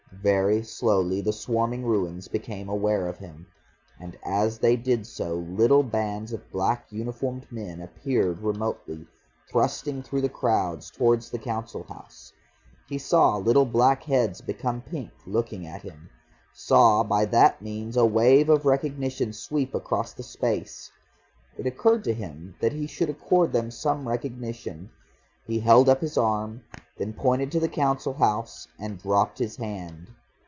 Very slowly the swarming ruins became aware of him. And as they did so little bands of black uniformed men appeared remotely, thrusting through the crowds towards the Council House. He saw little black heads become pink, looking at him, saw by that means a wave of recognition sweep across the space. It occurred to him that he should accord them some recognition. He held up his arm, then pointed to the Council House and dropped his hand.